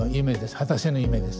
果たせぬ夢です。